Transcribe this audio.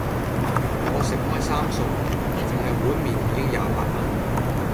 我食開三餸,淨係碗麵已經廿八蚊